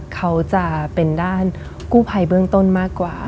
เขาจะเป็นด้านกู้ภัยเบื้องต้นมากกว่า